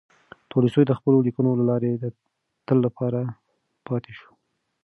تولستوی د خپلو لیکنو له لارې د تل لپاره پاتې شو.